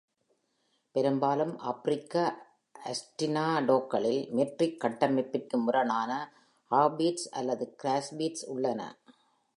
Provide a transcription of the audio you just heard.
பெரும்பாலும், ஆப்பிரிக்க ஆஸ்டினாடோக்களில் மெட்ரிக் கட்டமைப்பிற்கு முரணான ஆஃபீட்ஸ் அல்லது கிராஸ் பீட்ஸ் உள்ளன.